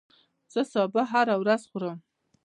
زه سابه هره ورځ خورم